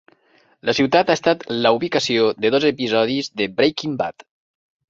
La ciutat ha estat la ubicació de dos episodis de Breaking Bad.